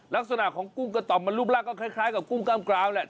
ลักษณะของกุ้งกระต่อมมันรูปร่างก็คล้ายกับกุ้งกล้ามกราวแหละ